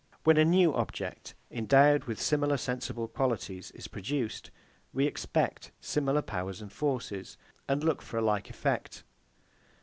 When a new object, endowed with similar sensible qualities, is produced, we expect similar powers and forces, and look for a like effect.